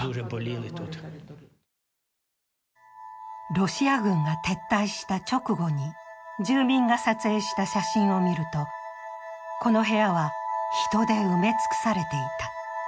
ロシア軍が撤退した直後に住民が撮影した写真を見るとこの部屋は人で埋め尽くされていた。